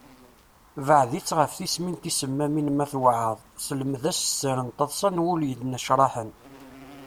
Beɛɛed-it ɣef tismin tisemmamin, ma tweɛɛaḍ, selmed-as sser n taḍsa n wul yennecṛaḥen.